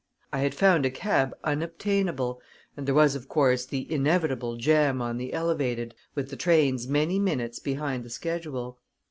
I had found a cab unobtainable, and there was, of course, the inevitable jam on the Elevated, with the trains many minutes behind the schedule.